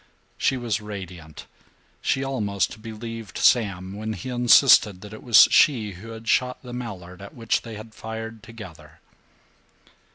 She was radiant; she almost believed Sam when he insisted that it was she who had shot the mallard at which they had fired together.